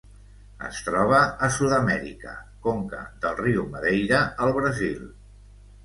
Es troba a Sud-amèrica: conca del riu Madeira al Brasil.